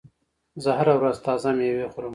زه هره ورځ تازه مېوه خورم.